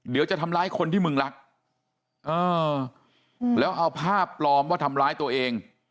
เดี๋ยวจะทำร้ายคนที่มึงรักเออแล้วเอาภาพปลอมว่าทำร้ายตัวเอง